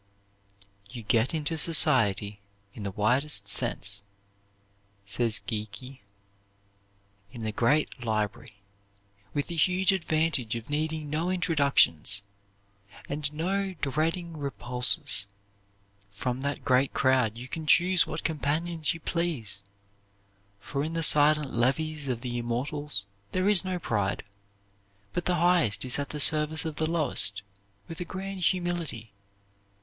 "You get into society, in the widest sense," says Geikie, "in a great library, with the huge advantage of needing no introductions, and not dreading repulses. From that great crowd you can choose what companions you please, for in the silent levees of the immortals there is no pride, but the highest is at the service of the lowest, with a grand humility.